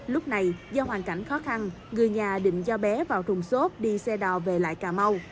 lúc này do hoàn cảnh khó khăn người nhà định do bé vào thùng xốp đi xe đò về lại cà mau